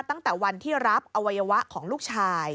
ตั้งแต่วันที่รับอวัยวะของลูกชาย